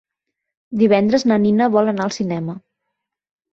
Divendres na Nina vol anar al cinema.